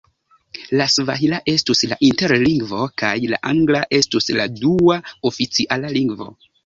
La svahila estus la interlingvo kaj la angla estus la dua oficiala lingvo.